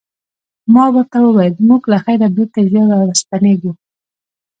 ما ورته وویل موږ له خیره بېرته ژر راستنیږو.